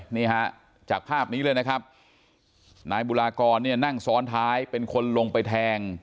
นี่ฮะจากภาพนี้เลยนะครับนายบุรากรเนี่ยนั่งซ้อนท้ายเป็นคนลงไปแทง